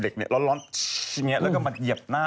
ก็มีอันนี้นะ